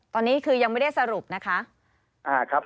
ตอนนี้คือยังไม่ได้สรุปนะคะ